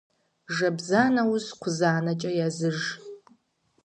Жэбза нэужь кхъузанэкӀэ языж.